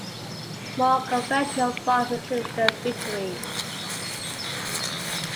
More conventional bars include The Victory.